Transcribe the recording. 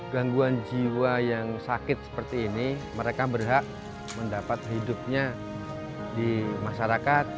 gangguan jiwa yang sakit seperti ini mereka berhak mendapat hidupnya di masyarakat